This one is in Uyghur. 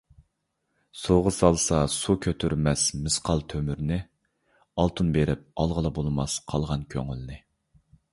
سۇغا سالسا سۇ كۆتۈرمەس مىسقال تۆمۈرنى ئالتۇن بېرىپ ئالغىلى بولماس قالغان كۆڭۈلنى .